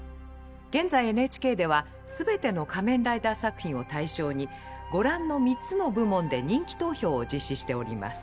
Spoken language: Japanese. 現在ＮＨＫでは全ての「仮面ライダー」作品を対象にご覧の３つの部門で人気投票を実施しております。